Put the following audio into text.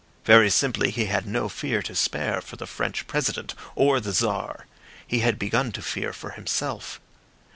Very simply, he had no fear to spare for the French President or the Czar; he had begun to fear for himself.